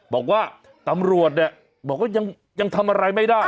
บอกว่าตำรวจเนี่ยบอกว่ายังทำอะไรไม่ได้